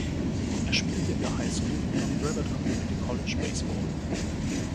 Er spielte in der Highschool und am Brevard Community College Baseball.